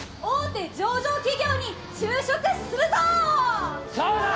大手上場企業に就職するぞー！